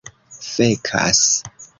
fekas